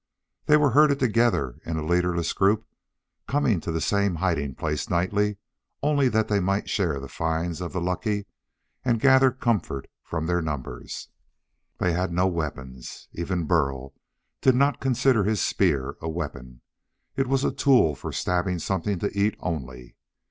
They were herded together in a leaderless group, coming to the same hiding place nightly only that they might share the finds of the lucky and gather comfort from their numbers. They had no weapons. Even Burl did not consider his spear a weapon. It was a tool for stabbing something to eat only.